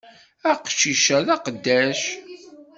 Aqcic-a d aqeddac!